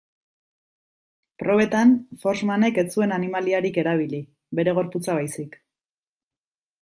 Probetan, Forssmanek ez zuen animaliarik erabili, bere gorputza baizik.